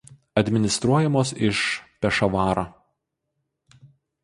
Administruojamos iš Pešavaro.